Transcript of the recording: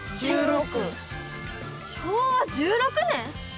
昭和１６年？